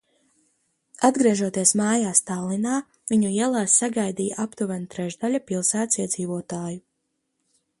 Atgriežoties mājās, Tallinā viņu ielās sagaidīja aptuveni trešdaļa pilsētas iedzīvotāju.